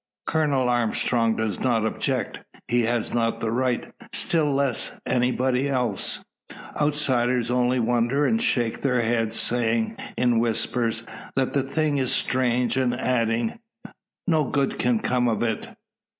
Colonel Armstrong does not object. He has not the right. Still less, anybody else. Outsiders only wonder and shake their heads; saying, in whispers, that the thing is strange, and adding, "No good can come of it."